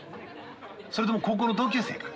それとも高校の同級生か？